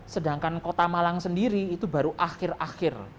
sedangkan kota malang sendiri itu baru akhir akhir